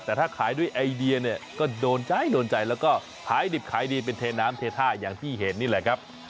แต่ถ้าขายด้วยไอเดียเนี่ยก็โดนใจโดนใจแล้วก็ขายดิบขายดีเป็นเทน้ำเทท่าอย่างที่เห็นนี่แหละครับ